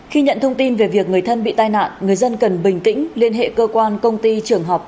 khi nhận thông tin về việc người thân bị tai nạn người dân cần bình tĩnh liên hệ cơ quan công ty trường học